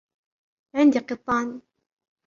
عندي قطان.